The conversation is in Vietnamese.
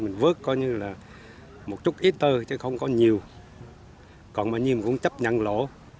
mình vớt coi như là một chút ít thôi chứ không có nhiều còn mà nhiên cũng chấp nhận lỗ